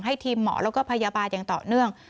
ทีมหมอแล้วก็พยาบาลอย่างต่อเนื่อง